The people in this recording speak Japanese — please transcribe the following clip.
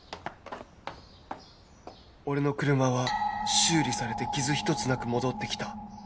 俺の車は修理されて傷一つなく戻ってきた